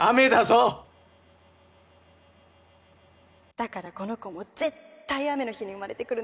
だからこの子も絶対雨の日に生まれてくるの